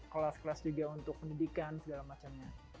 kelas kelas juga untuk pendidikan segala macamnya